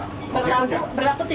berlaku tidak hanya untuk pkb ya berarti